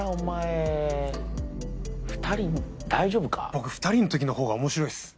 僕２人の時の方が面白いです。